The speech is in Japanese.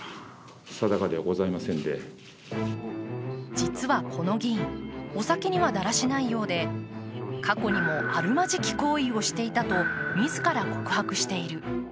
実はこの議員、お酒にはだらしないようで過去にも、あるまじき行為をしていたと自ら告白している。